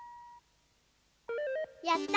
やった！